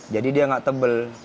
jadi dia nggak tebel